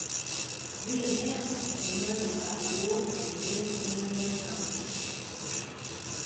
The event was promoted by Wolf and Rissmiller Concerts.